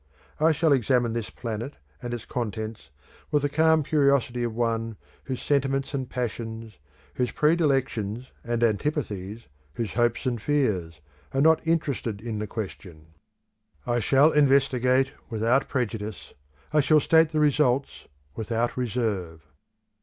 I shall examine this planet and its contents with the calm curiosity of one whose sentiments and passions, whose predilections and antipathies, whose hopes and fears, are not interested in the question. I shall investigate without prejudice; I shall state the results without reserve.